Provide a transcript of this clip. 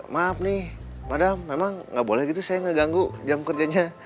maaf nih padahal memang nggak boleh gitu saya ngeganggu jam kerjanya